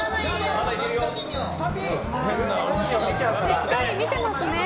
しっかり見てますね。